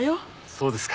そうですか。